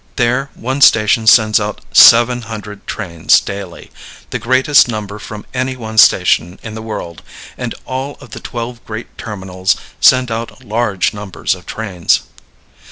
There one station sends out 700 trains daily, the greatest number from any one station in the world, and all of the twelve great terminals send out large numbers of trains.